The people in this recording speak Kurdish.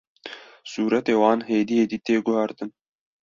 sûreta wan hêdî hêdî tê guhertin